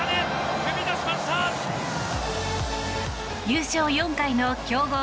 優勝４回の強豪